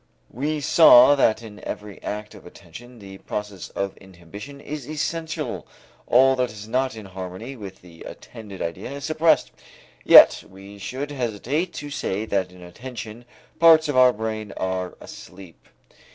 We saw that in every act of attention the process of inhibition is essential. All that is not in harmony with the attended idea is suppressed. Yet we should hesitate to say that in attention parts of our brain are asleep.